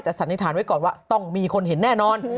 สันนิษฐานไว้ก่อนว่าต้องมีคนเห็นแน่นอน